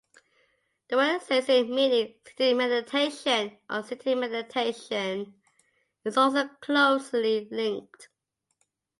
The word "zazen" meaning "seated meditation" or "sitting meditation" is also closely linked.